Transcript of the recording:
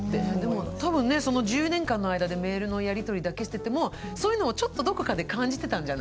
多分ねその１０年間の間でメールのやりとりだけしててもそういうのをちょっとどこかで感じてたんじゃない？